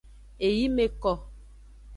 Eyi me ko.